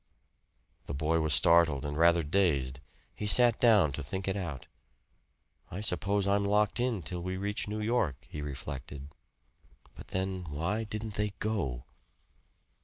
The boy was startled and rather dazed. He sat down to think it out. "I suppose I'm locked in till we reach New York," he reflected. But then, why didn't they go?